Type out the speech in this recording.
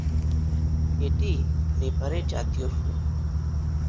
এটি নেপালের জাতীয় ফুল।